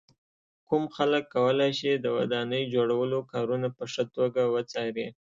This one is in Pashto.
کوم خلک کولای شي د ودانۍ جوړولو کارونه په ښه توګه وڅاري.